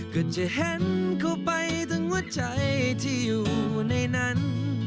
ก็จะเห็นเข้าไปทั้งหัวใจที่อยู่ในนั้น